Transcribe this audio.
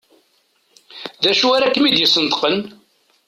D acu ara kem-id-yesneṭqen?